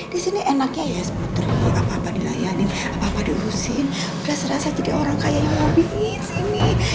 disini enaknya ya apa apa dilayani apa apa diusin udah serasa jadi orang kaya yang mau bingin sini